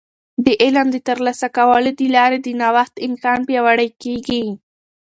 د علم د ترلاسه کولو د لارې د نوښت امکان پیاوړی کیږي.